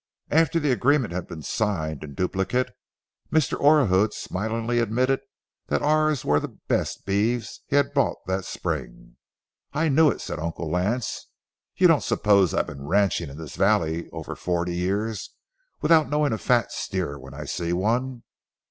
After the agreement had been signed in duplicate, Mr. Orahood smilingly admitted that ours were the best beeves he had bought that spring. "I knew it," said Uncle Lance; "you don't suppose I've been ranching in this valley over forty years without knowing a fat steer when I see one.